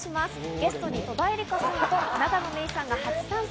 ゲストに戸田恵梨香さんと永野芽郁さんが初参戦。